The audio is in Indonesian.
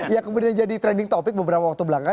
yang kemudian jadi trending topic beberapa waktu belakang